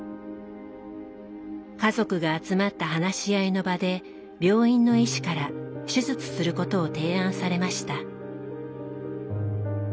家族が集まった話し合いの場で病院の医師から手術することを提案されました。